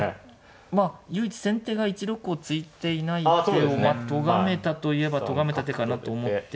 まあ唯一先手が１六を突いていないってのをとがめたと言えばとがめた手かなと思って。